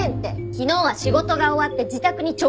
昨日は仕事が終わって自宅に直帰しました。